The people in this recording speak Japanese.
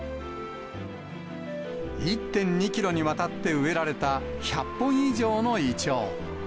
１．２キロにわたって植えられた１００本以上のイチョウ。